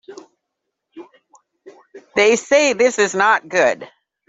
They say this is not good.